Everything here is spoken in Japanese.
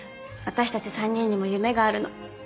私たち３人にも夢があるの。